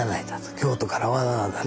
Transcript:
京都からわざわざね